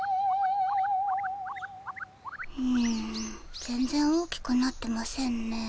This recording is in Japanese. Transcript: うん全ぜん大きくなってませんね。